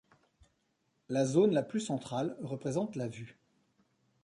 La zone la plus centrale représente la vue.